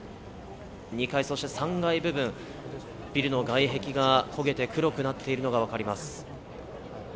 ２階そして３階部分、ビルの外壁が焦げて黒くなっているのがわかります。